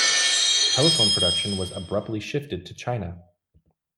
Telephone production was abruptly shifted to China.